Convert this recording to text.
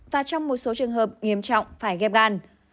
và trong một số trường hợp nghiêm trọng phải ghép bàn